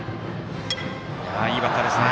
いいバッターですね。